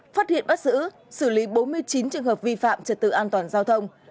phát hiện bắt giữ xử lý bốn mươi chín trường hợp vi phạm trật tự an toàn giao thông